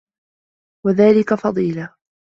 وَذَلِكَ فَضِيلَةٌ